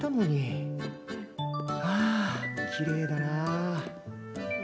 ああきれいだな。